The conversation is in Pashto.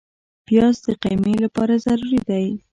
پیاز د قیمې لپاره ضروري دی